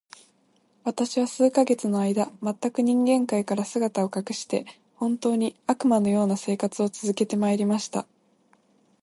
私は数ヶ月の間、全く人間界から姿を隠して、本当に、悪魔の様な生活を続けて参りました。